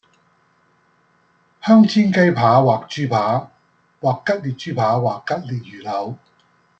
香煎雞扒或豬扒或吉列豬扒或吉列魚柳